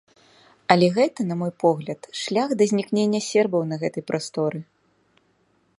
Але гэта, на мой погляд, шлях да знікнення сербаў на гэтай прасторы.